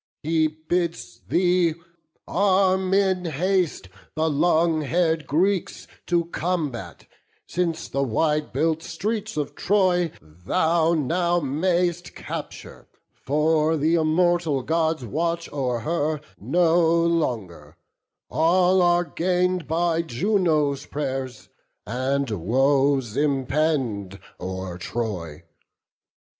He bids thee arm in haste the long hair'd Greeks To combat; since the wide built streets of Troy Thou now mayst capture; for th' immortal Gods Watch over her no longer; all are gain'd By Juno's pray'rs; and woes impend o'er Troy.